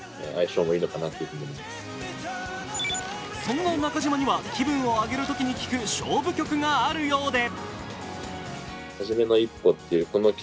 そんな中島には、気分を上げるときに聴く勝負曲があるようで。